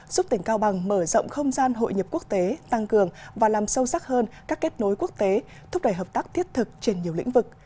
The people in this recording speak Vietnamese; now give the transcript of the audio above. giúp tỉnh cao bằng mở rộng không gian hội nhập quốc tế tăng cường và làm sâu sắc hơn các kết nối quốc tế thúc đẩy hợp tác thiết thực trên nhiều lĩnh vực